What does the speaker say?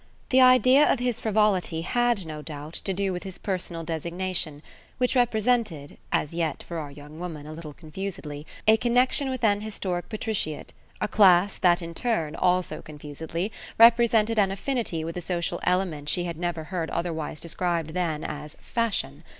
The idea of his frivolity had, no doubt, to do with his personal designation, which represented as yet, for our young woman, a little confusedly a connexion with an historic patriciate, a class that in turn, also confusedly, represented an affinity with a social element she had never heard otherwise described than as "fashion."